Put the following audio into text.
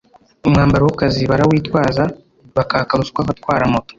umwambaro w’akazi barawitwaza bakaka ruswa abatwara moto